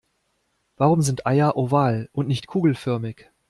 Warum sind Eier oval und nicht kugelförmig?